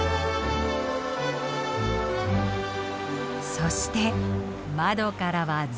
そして窓からは絶景。